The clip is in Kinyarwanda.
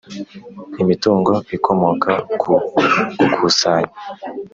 Imitungo ikomoka ku gukusanya